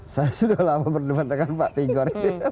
saya sudah lama berdebat dengan pak tigor